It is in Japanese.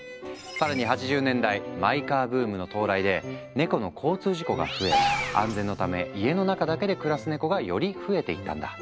更に８０年代マイカーブームの到来でネコの交通事故が増え安全のため家の中だけで暮らすネコがより増えていったんだ。